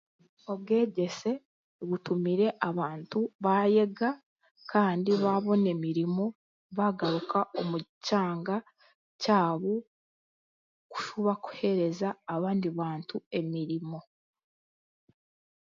Obwegyese butumire abantu baayega kandi baabona emirimo kandi baagaruka omu kyanga kyabo kushuba kuheereza abandi bantu emirimo